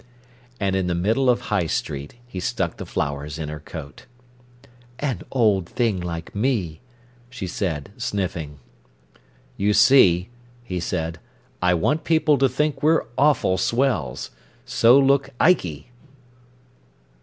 And in the middle of High Street he stuck the flowers in her coat. "An old thing like me!" she said, sniffing. "You see," he said, "I want people to think we're awful swells. So look ikey."